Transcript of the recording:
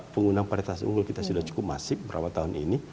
penggunaan varitas unggul kita sudah cukup masif berapa tahun ini